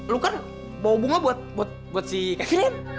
lo kan bawa bunga buat buat buat si kevinin